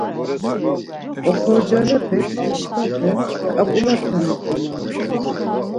Oxorcalepek dişkape ǩap̆ulate zduman.